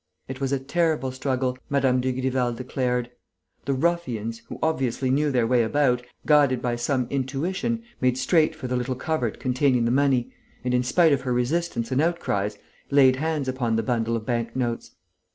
It was a terrible struggle, Mme. Dugrival declared. The ruffians, who obviously knew their way about, guided by some intuition, made straight for the little cupboard containing the money and, in spite of her resistance and outcries, laid hands upon the bundle of bank notes.